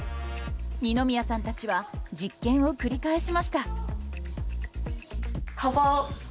二宮さんたちは実験を繰り返しました。